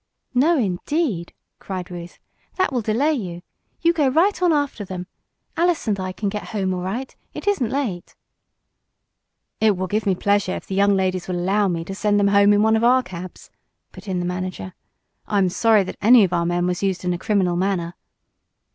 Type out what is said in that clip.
"No, indeed!" cried Ruth. "That will delay you. You go right on after them. Alice and I can get home all right. It isn't late." "It will give me pleasure if the young ladies will allow me to send them home in one of our cabs," put in the manager. "I am sorry that any of our men was used in a criminal manner."